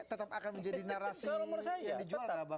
tetap akan menjadi narasi yang dijual gak bang